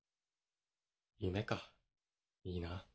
夢かいいな。